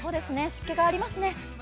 湿気がありますね。